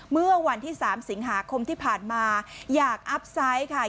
เมื่อวันที่๓สิงหาคมที่ผ่านมาอยากอัพไซต์ค่ะ